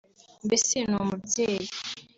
mbese ni umubyeyi